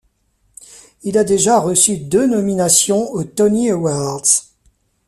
Il a déjà reçu deux nominations aux Tony Awards.